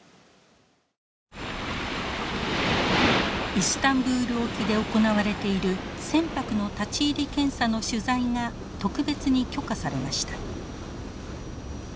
イスタンブール沖で行われている船舶の立ち入り検査の取材が特別に許可されました。